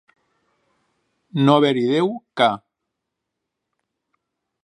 No haver-hi déu que.